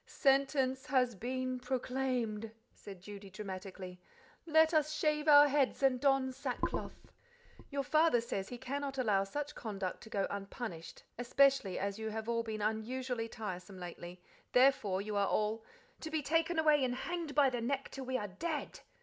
"Sentence has been proclaimed," said Judy dramatically: "let us shave our heads and don sackcloth." "Your father says he cannot allow such conduct to go unpunished, especially as you have all been unusually tiresome lately; therefore: you are all " "To be taken away and hanged by the neck until we are dead!"